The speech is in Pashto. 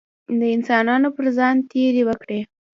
د انسانانو پر ځان تېری وکړي.